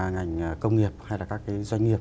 ngành công nghiệp hay là các cái doanh nghiệp